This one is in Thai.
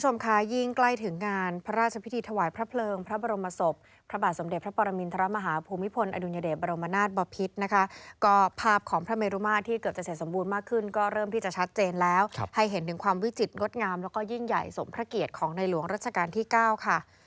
คุณผู้ชมค่ะยิ่งใกล้ถึงงานพระราชพิธีถวายพระเพลิงพระบรมศพพระบาทสมเด็จพระปรมินทรมาฮาภูมิพลอดุญเดชบรมนาศบพิษนะคะก็ภาพของพระเมรุมาตรที่เกือบจะเสร็จสมบูรณ์มากขึ้นก็เริ่มที่จะชัดเจนแล้วให้เห็นถึงความวิจิตรงดงามแล้วก็ยิ่งใหญ่สมพระเกียรติของในหลวงรัชกาลที่๙ค่ะ